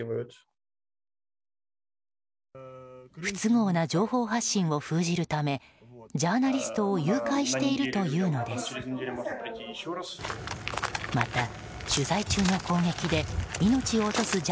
不都合な情報発信を封じるためジャーナリストを誘拐しているというのです。